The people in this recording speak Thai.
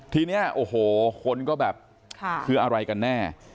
ทีนี้โอ้โหคนก็แบบคืออะไรกันแน่